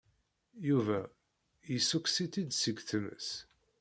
Yuba yessukkes-itt-id seg tmes.